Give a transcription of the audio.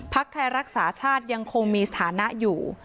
ไทยรักษาชาติยังคงมีสถานะอยู่